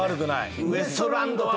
ウエストランドは。